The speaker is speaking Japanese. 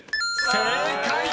［正解！］